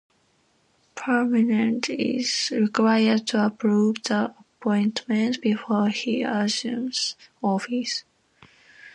Parliament is required to approve the appointment before he assumes office.